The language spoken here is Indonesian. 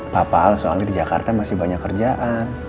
papa al soalnya di jakarta masih banyak kerjaan